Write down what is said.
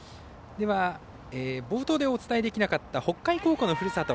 冒頭でお伝えできなかった北海高校のふるさと